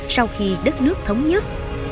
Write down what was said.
sau khi đất nước thống nhất